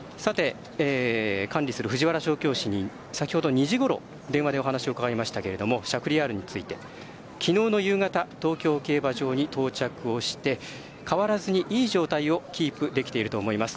管理する藤原調教師に２時ごろ電話でお話を伺いましたけどもシャフリヤールについて昨日の夕方東京競馬場に到着して変わらずにいい状態をキープできていると思います。